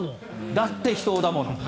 だって秘湯だもの。